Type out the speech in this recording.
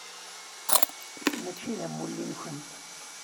Mačči d amulli-nkent.